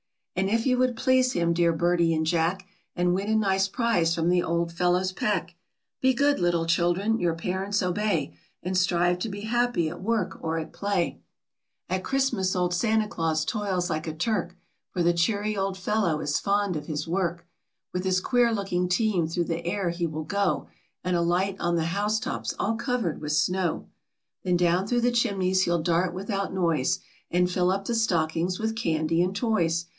And if you would please him — dear Bertie and Jack — And win a nice prize from the old fellow's pack, Be good little children, your parents obey, And strive to be happy at work or at play. 14 WHERE SANTA CLAUS LIVES , AND WHAT HE DOES. At Christmas old Santa Claus toils like a Turk, For the cheery old fellow is fond of his work, With his queer looking team through the air he will go And alight on the house tops all covered with snow. Th en down through the chimneys he'll dart without noise, And fill up the stockings with candy and toys.